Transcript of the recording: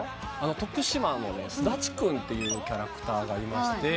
徳島のすだちくんというキャラクターがいまして。